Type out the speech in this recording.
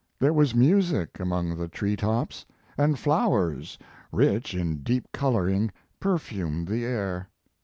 There was music among the tree tops, and flowers, rich in deep coloring, perfumed the air.